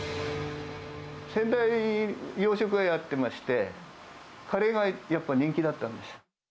先代が洋食屋をやってまして、カレーがやっぱ人気だったんです。